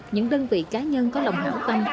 những đơn vị cá nhân có lòng hảo tâm